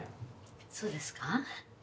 そうですか？